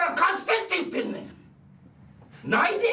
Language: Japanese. ないで？